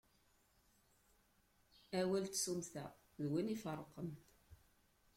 Awal n tsummta, d win i ifeṛṛqen.